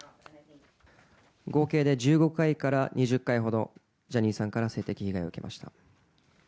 合計で１５回から２０回ほど、ジャニーさんから性的被害を受けました。